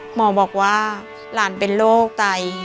หมอบอกว่าหลานเป็นโรคไต